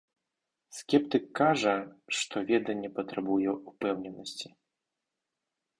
Скептык кажа, што веданне патрабуе упэўненасці.